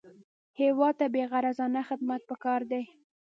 هېواد ته بېغرضانه خدمت پکار دی